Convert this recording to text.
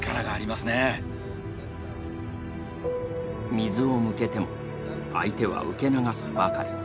水を向けても相手は受け流すばかり。